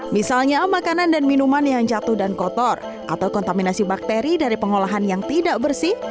misalnya makanan dan minuman yang jatuh dan kotor atau kontaminasi bakteri dari pengolahan yang tidak bersih